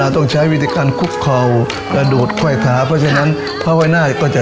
ต้องใช้วิธีการคลุกเข่าและโดดค่อยท้าเพราะฉะนั้นผ้าห้อยหน้าก็จะ